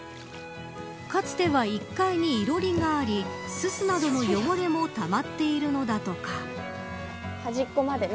かつては１階に、いろりがありススなどの汚れもたまっているのだとか。